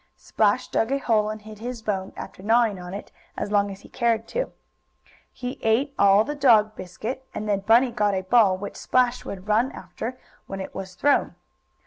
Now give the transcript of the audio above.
Splash dug a hole and hid his bone, after gnawing on it as long as he cared to. He ate all the dog biscuit, and then Bunny got a ball which Splash would run after when it was thrown.